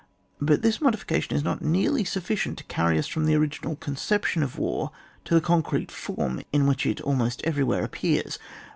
But this modification is not nearly sufficient to carry us from the original conception of War to the concrete form in which it almost everywhere appears.